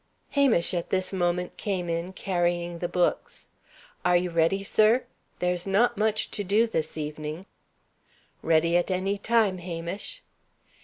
Hamish at this moment came in, carrying the books. "Are you ready, sir? There's not much to do, this evening." "Ready at any time, Hamish."